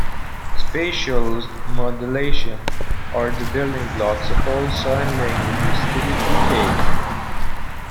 Spatial modulations are the building blocks of all sign languages studied to date.